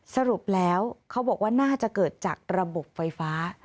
สรุปแล้วเขาบอกว่าน่าจะเกิดจากระบบไฟฟ้า